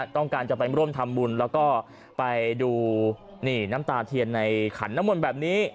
ต้องการจะไปร่วมทำบุญแล้วก็ไปดูนี่น้ำตาเทียนในขันน้ำมนต์แบบนี้